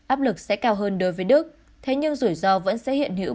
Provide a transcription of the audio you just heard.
áp lực sẽ cao hơn đối với đức thế nhưng rủi ro vẫn sẽ hiện hữu